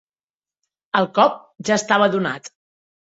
El cop ja estava donat.